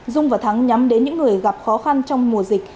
dung và thắng nhắm đến những người gặp khó khăn trong mùa dịch